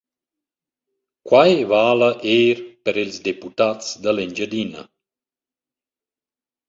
Quai vala eir per ils deputats da l’Engiadina.